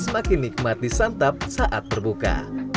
semakin nikmat disantap saat berbuka